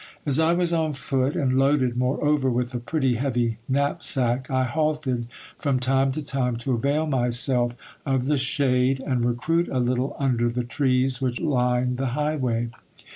As I was on foot, and loaded moreover with a pretty heavy knapsack, I halted from time to time to avail myself of the shade, and recruit a litde under the trees which lined the highway.